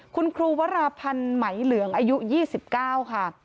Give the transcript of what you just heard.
คุณครูวราพันธ์ไหมเหลืองอายุ๒๙ค่ะ